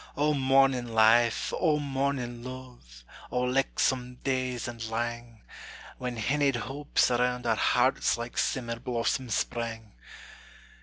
O mornin' life! O mornin' luve! O lichtsome days and lang, When hinnied hopes around our hearts Like simmer blossoms sprang!